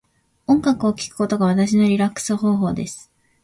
音楽を聴くことが私のリラックス方法です。